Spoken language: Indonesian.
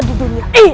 di dunia ini